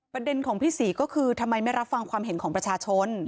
ประเด็นของพี่ศรีก็คือทำไมไม่รับฟังความเห็นของประชาชน